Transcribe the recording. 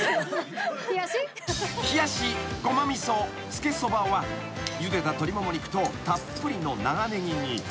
つけそばはゆでた鶏もも肉とたっぷりの長ねぎに］